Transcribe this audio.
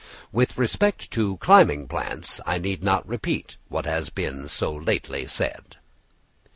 With respect to climbing plants, I need not repeat what has been so lately said.